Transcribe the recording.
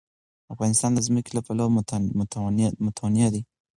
افغانستان د ځمکه له پلوه متنوع دی.